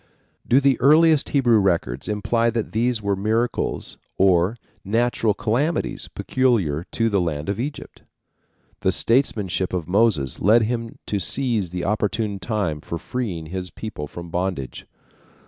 Do the earliest Hebrew records imply that these were miracles or natural calamities peculiar to the land of Egypt? The statesmanship of Moses led him to seize the opportune time for freeing his people from bondage.